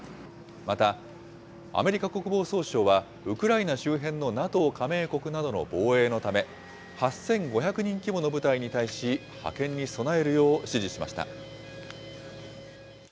また、アメリカ国防総省は、ウクライナ周辺のＮＡＴＯ加盟国などの防衛のため、８５００人規模の部隊に対し、派遣に備えるよう指示しました。